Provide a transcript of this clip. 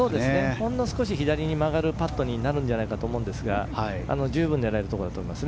ほんの少し左に曲がるパットになると思いますが十分狙えるところだと思います。